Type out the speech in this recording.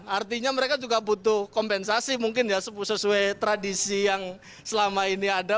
artinya mereka juga butuh kompensasi mungkin ya sesuai tradisi yang selama ini ada